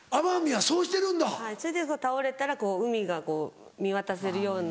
はいそれで倒れたら海が見渡せるような。